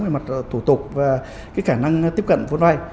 về mặt thủ tục và khả năng tiếp cận vôn vay